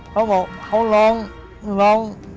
เขาบอกเขาลอง